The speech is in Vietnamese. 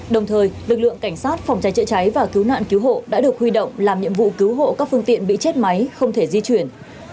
đồng thời lực lượng cảnh sát phòng cháy chữa cháy và cứu nạn cứu hộ đã được huy động làm nhiệm vụ cứu hộ các phương tiện bị chết máy không thể di chuyển